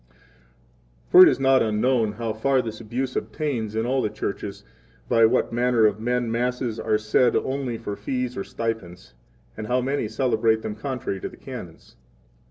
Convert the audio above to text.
11 For it is not unknown how far this abuse obtains in all the churches by what manner of men Masses are said only for fees or stipends, and how many celebrate them contrary to the Canons.